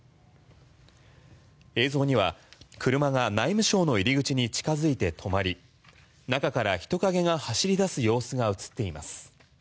映像には車が内務省の入口に近づいて止まり、中から人影が走り出す様子が映っています。